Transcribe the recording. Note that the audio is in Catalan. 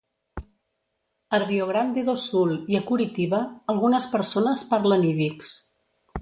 A Rio Grande do Sul i a Curitiba, algunes persones parlen ídix.